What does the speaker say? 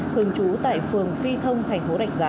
thường trú tại phường phi thông thành phố rạch giá